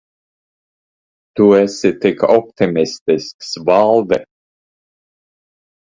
Tu esi tik optimistisks, Valdi.